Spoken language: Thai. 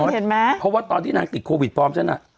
เพราะว่าตอนที่นางติดโควิดพร้อมฉันน่ะ